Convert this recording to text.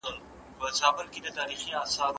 ایا تاسي پوهېږئ چې ورزش څنګه کیږي؟